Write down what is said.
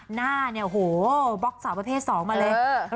หน้าเนี่ยโหบล็อกสาวประเภท๒มาเลย